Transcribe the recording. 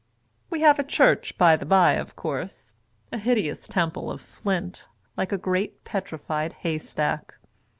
We have a church, by the bye, of course — a hideous temple of flint, like a great petrified hnystack.